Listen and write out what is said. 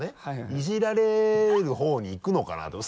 イジられる方にいくのかなと。